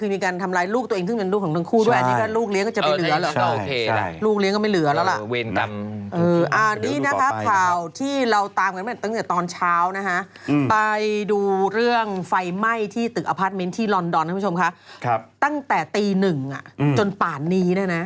มีคนทางอังกฤษค่ะนะครับใช่